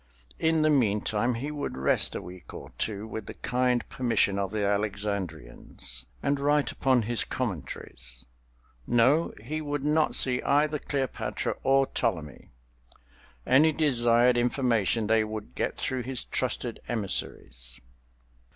In the meantime he would rest a week or two, with the kind permission of the Alexandrians, and write upon his "Commentaries"—no, he would not see either Cleopatra or Ptolemy—any desired information they would get through his trusted emissaries.